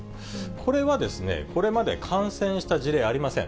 これはですね、これまで感染した事例ありません。